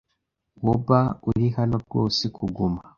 Woba uri hano rwose kuguma?